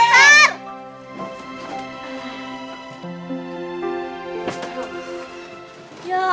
eh mas belunya